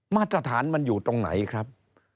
มาตรฐานมันอยู่ตรงไหนครับ